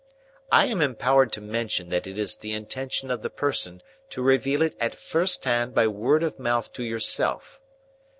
I am empowered to mention that it is the intention of the person to reveal it at first hand by word of mouth to yourself.